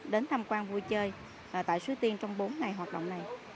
đến tham quan vui chơi tại sú tiên trong bốn ngày hoạt động này